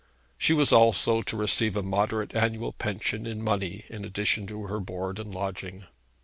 She was also to receive a moderate annual pension in money in addition to her board and lodging.